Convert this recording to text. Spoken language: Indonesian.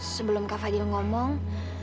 sebelum kak fadil ngomong